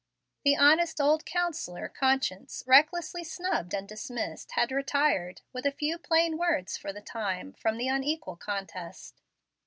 The honest old counsellor, conscience, recklessly snubbed and dismissed, had retired, with a few plain words, for the time, from the unequal contest.